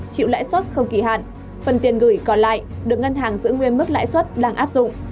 chịu lãi suất không kỳ hạn phần tiền gửi còn lại được ngân hàng giữ nguyên mức lãi suất đang áp dụng